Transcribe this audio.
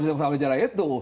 enggak bukan itu